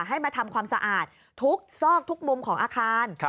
ให้มาทำความสะอาดทุกซอกทุกมุมของอาคาร